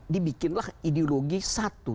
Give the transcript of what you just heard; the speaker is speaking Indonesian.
dibikinlah ideologi satu